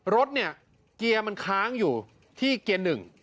รถเกียร์มันค้างอยู่ที่เกียร์๑